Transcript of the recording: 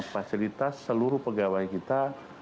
fasilitas seluruh pegawai kita